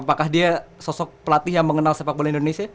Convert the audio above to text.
apakah dia sosok pelatih yang mengenal sepak bola indonesia